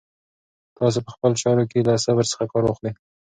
تاسو په خپلو چارو کې له صبر څخه کار واخلئ.